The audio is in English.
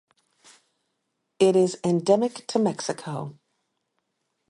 It is endemic to Mexico.